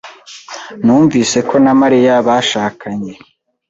Numvise ko na Mariya bashakanye.